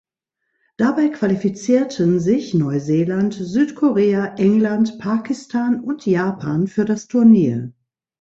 Dabei qualifizierten sich Neuseeland, Südkorea, England, Pakistan und Japan für das Turnier.